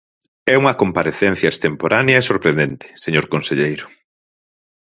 É unha comparecencia extemporánea e sorprendente, señor conselleiro.